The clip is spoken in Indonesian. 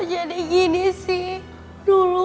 tapi jangan heran dua diem ngabis ngabis bahwa